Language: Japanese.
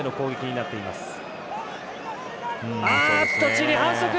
チリ反則。